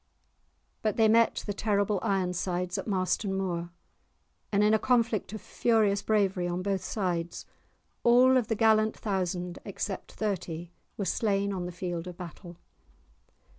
But they met the terrible Ironsides at Marston Moor, and in a conflict of furious bravery on both sides, all of the gallant thousand except thirty were slain on the field of battle.